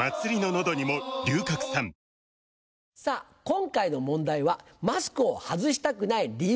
今回の問題は「マスクを外したくない理由とは？」。